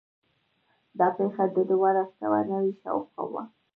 دا پېښه د دولس سوه نوي شاوخوا وه.